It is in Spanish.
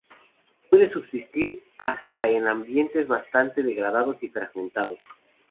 Puede subsistir hasta en ambientes bastante degradados y fragmentados.